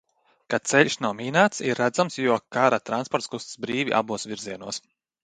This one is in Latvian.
Ka ceļš nav mīnēts, ir redzams, jo kara transports kustās brīvi abos virzienos.